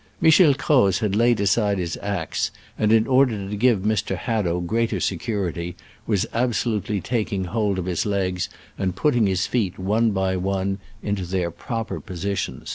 Michel Croz had laid aside his axe, and in order to give Mr. Hadow greater security was absolutely taking hold of his legs and putting his feet, one by one, into their proper positions.!